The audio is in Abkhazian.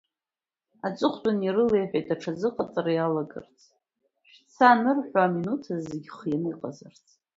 Аҵыхәтәан ирылеиҳәеит аҽазыҟаҵара иалагарц, шәца анырҳәо аминуҭаз зегь хианы иҟазарцаз.